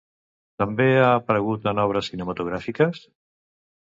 També ha aparegut en obres cinematogràfiques?